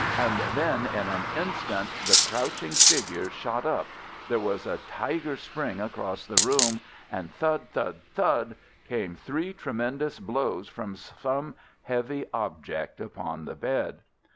And then, in an instant the crouching figure shot up, there was a tiger spring across the room, and thud, thud, thud, came three tremendous blows from some heavy object upon the bed.